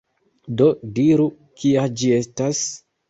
Do, diru, kia ĝi estas?